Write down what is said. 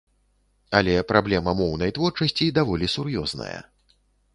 Але праблема моўнай творчасці даволі сур'ёзная.